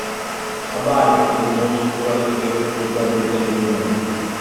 Hubbard is a most prolific Republican donor.